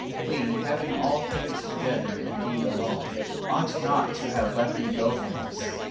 10:5. We having all things together in thee alone, ought not to have let thee go from us.